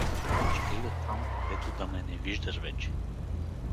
— Ще ида там, дето да ме не виждаш вече.